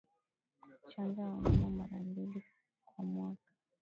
Chanja wanyama mara mbili kwa mwaka